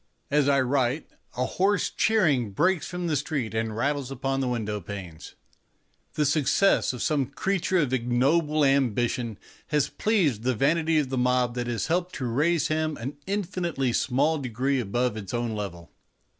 As I write a hoarse cheering breaks from the street and rattles upon the window panes. The success of some creature of ignoble ambitions has pleased the vanity of the mob that has helped to raise him an infinitely small degree above its own level.